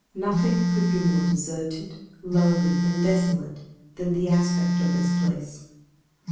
Nothing could be more deserted, lonely and desolate than the aspect of this place.